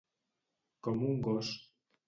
Com un gos.